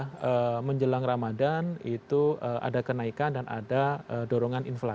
karena menjelang ramadan itu ada kenaikan dan ada dorongan inflasi